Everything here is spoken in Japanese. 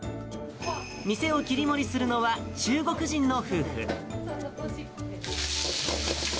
店を切り盛りするのは中国人の夫婦。